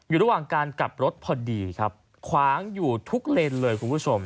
อยู่ระหว่างการกลับรถพอดีครับขวางอยู่ทุกเลนเลยคุณผู้ชม